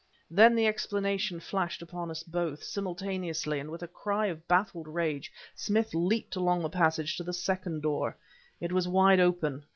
Then the explanation flashed upon us both, simultaneously, and with a cry of baffled rage Smith leaped along the passage to the second door. It was wide open.